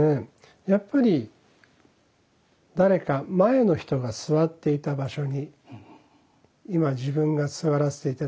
やっぱり誰か前の人が座っていた場所に今自分が座らせて頂けるということの感謝ですか。